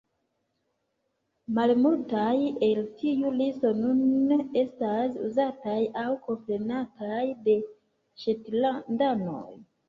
Malmultaj el tiu listo nun estas uzataj aŭ komprenataj de ŝetlandanoj.